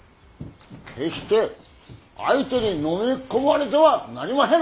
決ひて相手にのみ込まれてはなりまへぬ！